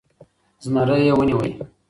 زمری يې و نيوی .